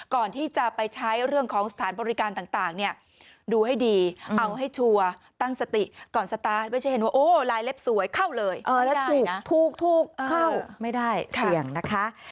ก่อนที่จะไปใช้เรื่องของสถานบริการต่างเนี่ยดูให้ดีเอาให้ชัวร์ตั้งสติก่อนสตาร์ทไม่ใช่เห็นว่าโอ้ลายเล็บสวยเข้าเลยก็ได้นะถูกเข้าไม่ได้เสี่ยงนะคะ